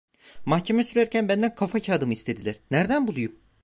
Mahkeme sürerken benden kafakağıdımı istediler, nereden bulayım?